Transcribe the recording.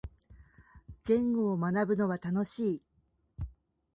言語を学ぶのは楽しい。